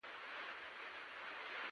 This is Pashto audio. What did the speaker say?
د نورو عیبونو لټول نه کموي.